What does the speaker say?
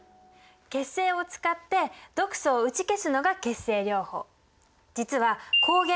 血清を使って毒素を打ち消すのが血清療法。